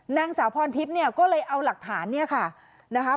นางสาวพรทิพย์เนี่ยก็เลยเอาหลักฐานเนี่ยค่ะนะคะ